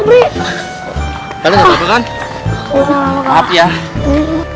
baik raisingnya pagi deh pak iain